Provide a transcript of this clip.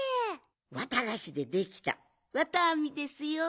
わたがしでできたわたアミですよ。